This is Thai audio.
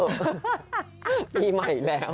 ปีใหม่แล้ว